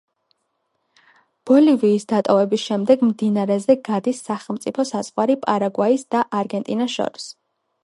ბოლივიის დატოვების შემდეგ, მდინარეზე გადის სახელმწიფო საზღვარი პარაგვაისა და არგენტინას შორის.